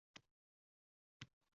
O`z otamni hech qachon ko`rmaganman